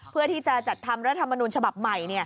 เพื่อที่จะจัดทำรัฐมนุนฉบับใหม่